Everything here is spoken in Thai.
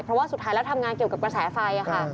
เพราะว่าสุดท้ายแล้วทำงานเกี่ยวกับกระแสไฟค่ะ